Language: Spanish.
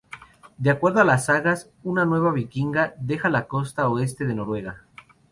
De acuerdo a las sagas, una nave vikinga deja la costa Oeste de Noruega.